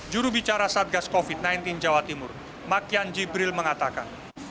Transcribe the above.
jurubicara satgas covid sembilan belas jawa timur makian jibril mengatakan